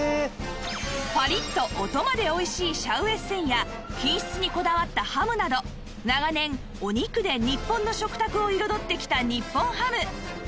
パリッと音までおいしいシャウエッセンや品質にこだわったハムなど長年お肉で日本の食卓を彩ってきた日本ハム